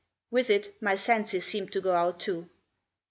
With it my senses seemed to go out too.